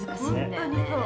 本当にそう。